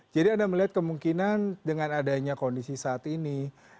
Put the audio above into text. jadi anda melihat kemungkinan dengan adanya kondisi saat ini